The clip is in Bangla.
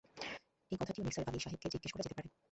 এই কথাটিও নিসার আলি সাহেবকে জিজ্ঞেস করা যেতে পারে।